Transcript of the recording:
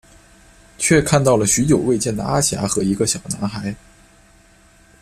却看到了许久未见的阿霞和一个小男孩。